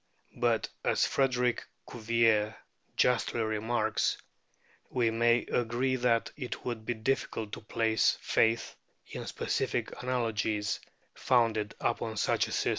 But as Frederick Cuvier justly remarks, "We may agree that it would be difficult to place faith in specific analogies founded upon such a system